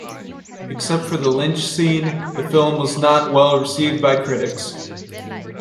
Except for the lynch scene, the film was not well received by critics.